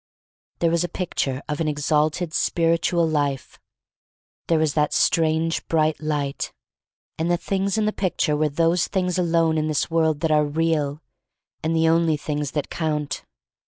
There was a picture of an exalted spiritual life. There was that strange bright light. And the things in the picture were those things alone in this world that are real, and the only things that count.